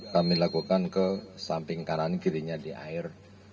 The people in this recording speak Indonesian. kami lakukan ke samping kanan kirinya di air